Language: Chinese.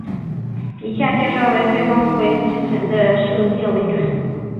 以下介绍以最终回之前的设定为准。